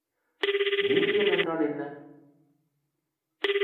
நீரியல் என்றால் என்ன?